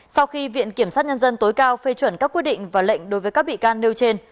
sau khi viện kiểm sát nhân dân tối cao phê chuẩn các quyết định và lệnh đối với các bị can nêu trên